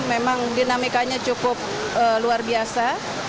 memang dinamikanya cukup luar biasa